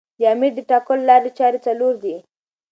د امیر د ټاکلو لاري چاري څلور دي.